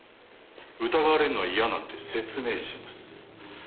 疑われるのは嫌なんで説明します。